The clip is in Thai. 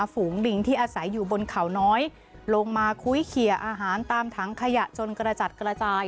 ฝูงดิงที่อาศัยอยู่บนเขาน้อยลงมาคุ้ยเขียอาหารตามถังขยะจนกระจัดกระจาย